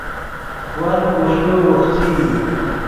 ون کوݰکے اوخچئی